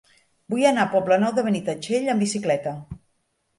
Vull anar al Poble Nou de Benitatxell amb bicicleta.